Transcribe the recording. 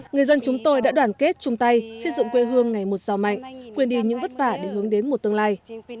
người dân chúng tôi đã đoàn kết chung tay xây dựng quê hương ngày một giàu mạnh quên đi những vất vả để hướng đến một tương lai